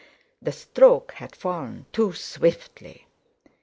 The stroke had fallen too swiftly.